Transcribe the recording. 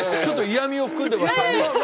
ちょっと嫌みを含んでましたね。